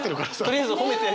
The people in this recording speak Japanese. とりあえず褒めて。